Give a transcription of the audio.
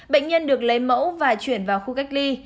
bệnh nhân được lấy mẫu và chuyển vào khu cách ly